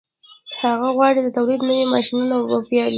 هغه غواړي د تولید نوي ماشینونه وپېري